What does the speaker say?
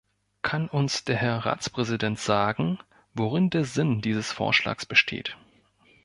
Kann uns der Herr Ratspräsident sagen, worin der Sinn dieses Vorschlags besteht?